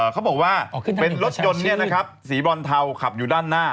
เขาบอกว่าเป็นรถยนต์สีบรอนเทาขับอยู่ด้านหน้า